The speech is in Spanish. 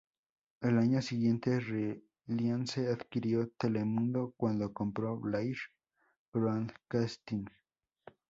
El año siguiente, Reliance adquirió Telemundo cuando compró Blair Broadcasting.